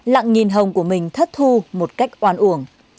lặng nhìn hồng của mình thất thu một cách oan uổng